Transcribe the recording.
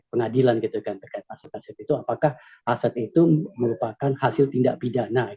pengadilan gitu kan terkait aset aset itu apakah aset itu merupakan hasil tindak pidana